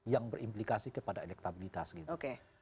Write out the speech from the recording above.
yang berimplikasi kepada elektabilitas gitu